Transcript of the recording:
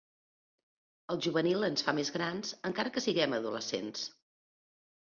El juvenil ens fa més grans, encara que siguem adolescents.